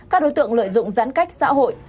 các đối tượng lợi dụng giãn cách xã hội